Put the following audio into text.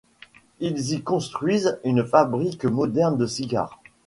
Ils y construisent une fabrique moderne de cigares.